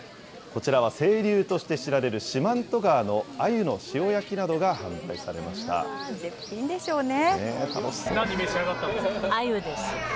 こちらは清流として知られる四万十川のあゆの塩焼きなどが販絶品でしょうね。